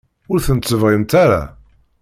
Ur tent-tebɣimt ara?